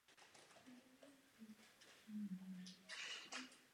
Vyskytuje se ve východní Asii.